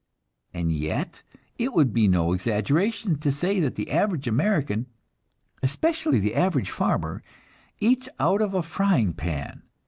And yet it would be no exaggeration to say that the average American, especially the average farmer, eats out of a frying pan.